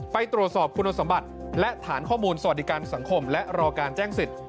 ไปตรวจสอบคุณสมบัติและฐานข้อมูลสวัสดิการสังคมและรอการแจ้งสิทธิ